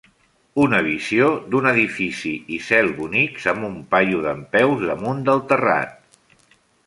Una visió d'un edifici i cel bonics amb un paio dempeus damunt del terrat.